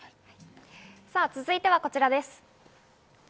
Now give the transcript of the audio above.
続いてはこちらです。